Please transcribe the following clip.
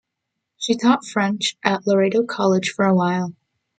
She taught French at Loreto College for a while.